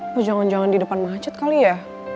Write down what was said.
gue jangan jangan di depan macet kali ya